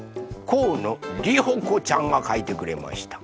こうのりほこちゃんがかいてくれました。